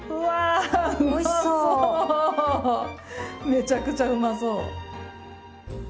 めちゃくちゃうまそう。